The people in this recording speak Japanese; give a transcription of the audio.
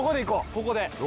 ここで。